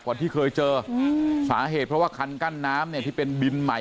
ที่เคยเจอสาเหตุเพราะว่าคันกั้นน้ำเนี่ยที่เป็นดินใหม่